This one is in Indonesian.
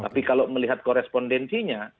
tapi kalau melihat korespondensinya